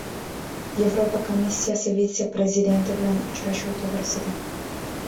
Yevropa komissiyasi vitse-prezidenti bilan uchrashuv to‘g‘risida